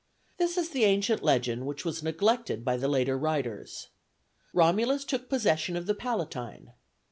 This is the ancient legend which was neglected by the later writers. Romulus took possession of the Palatine.